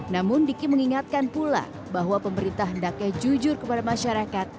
namun diki mengingatkan pula bahwa pemerintah hendaknya jujur kepada masyarakat